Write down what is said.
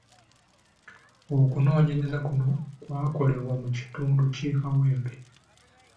Okunoonyereza kuno kwakolebwa mu kitundu ky'e Kawempe.